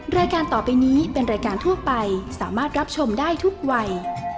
รายการต่อไปนี้เป็นรายการทั่วไปสามารถรับชมได้ทุกวัย